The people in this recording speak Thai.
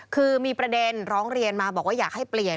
คือมีประเด็นร้องเรียนมาบอกว่าอยากให้เปลี่ยน